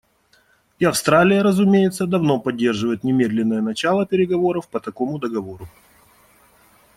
И Австралия, разумеется, давно поддерживает немедленное начало переговоров по такому договору.